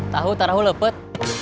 tahu terahu lepet